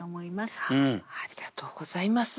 ありがとうございます。